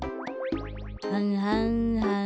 はんはんはん。